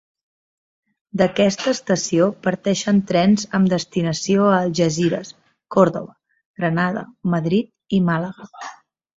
D'aquesta estació parteixen trens amb destinació a Algesires, Còrdova, Granada, Madrid i Màlaga.